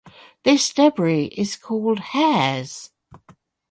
This debris is called "hairs".